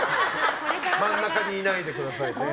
真ん中にいないでくださいね。